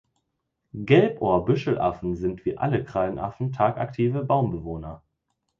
Gelbohr-Büschelaffen sind wie alle Krallenaffen tagaktive Baumbewohner.